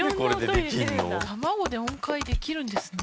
卵で音階できるんですね。